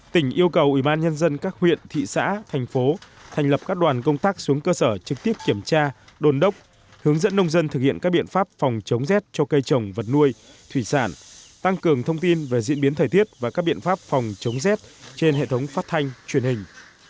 tỉnh yêu cầu ubnd các huyện thị xã thành phố thành lập các đoàn công tác xuống cơ sở trực tiếp kiểm tra đồn đốc hướng dẫn nông dân thực hiện các biện pháp phòng chống rét cho cây trồng vật nuôi thủy sản tăng cường thông tin về diễn biến thời tiết và các biện pháp phòng chống rét trên hệ thống phát thanh truyền hình